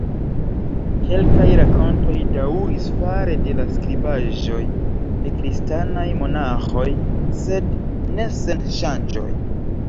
Kelkaj rakontoj daŭris fare de la skribaĵoj de Kristanaj monaĥoj, sed ne sen ŝanĝoj.